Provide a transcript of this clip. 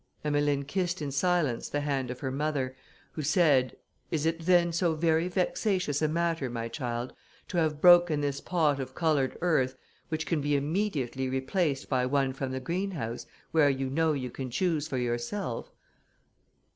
Emmeline kissed in silence the hand of her mother, who said, "Is it then so very vexatious a matter, my child, to have broken this pot of coloured earth, which can be immediately replaced by one from the greenhouse, where you know you can choose for yourself?"